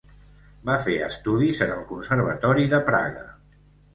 Va fer els estudis en el Conservatori de Praga.